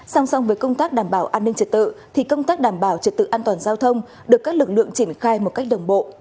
song song với công tác đảm bảo an ninh trật tự thì công tác đảm bảo trật tự an toàn giao thông được các lực lượng triển khai một cách đồng bộ